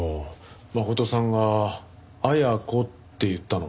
真琴さんが「アヤコ」って言ったの。